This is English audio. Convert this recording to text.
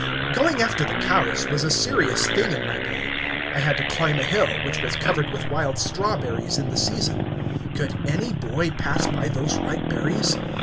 Going after the cows was a serious thing in my day. I had to climb a hill, which was covered with wild strawberries in the season. Could any boy pass by those ripe berries?